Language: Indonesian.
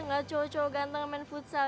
gak cowok cowok ganteng main futsal